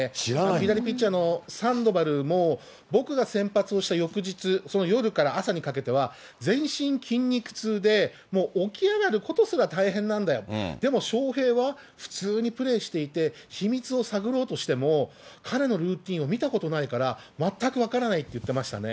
左ピッチャーのサンドバルも僕が先発をした翌日、その夜から朝にかけては、全身筋肉痛でもう起き上がることすら大変なんだよ、でも、翔平は普通にプレーしていて、秘密を探ろうとしても、彼のルーティンを見たことないから、全く分からないって言ってましたね。